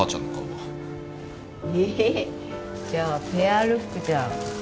じゃあペアルックじゃん。